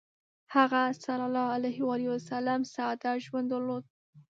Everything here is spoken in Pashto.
هغه ﷺ ساده ژوند درلود.